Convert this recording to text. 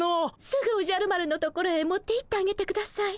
すぐおじゃる丸の所へ持っていってあげてください。